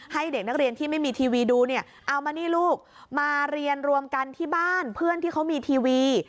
ให้เด็กนักเรียนที่ไม่มีทีวีดูเนี่ยเอามานี่ลูกมาเรียนรวมกันที่บ้านเพื่อนที่เขามีทีวี